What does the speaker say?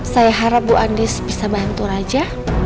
saya harap bu andi bisa bantu raja